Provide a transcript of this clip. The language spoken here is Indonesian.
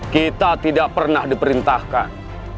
kita tidak pernah diperintahkan